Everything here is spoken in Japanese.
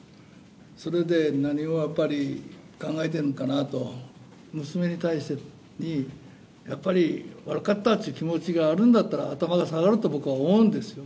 それで何をやっぱり、考えているのかなと、娘に対して、やっぱり悪かったっていう気持ちがあるんだったら、頭が下がると、僕は思うんですよ。